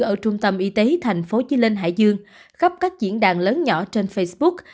ở trung tâm y tế tp hcm hải dương khắp các diễn đàn lớn nhỏ trên facebook